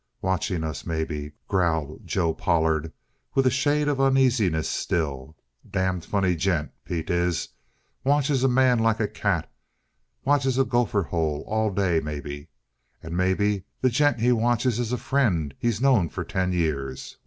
"Watching us, maybe," growled Joe Pollard, with a shade of uneasiness still. "Damned funny gent, Pete is. Watches a man like a cat; watches a gopher hole all day, maybe. And maybe the gent he watches is a friend he's known for ten years.